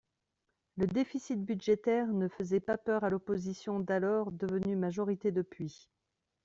Le déficit budgétaire ne faisait pas peur à l’opposition d’alors, devenue majorité depuis.